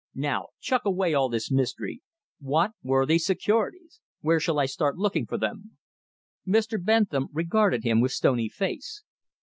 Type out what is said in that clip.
Now chuck away all this mystery. What were these securities? Where shall I start looking for them?" Mr. Bentham regarded him with stony face.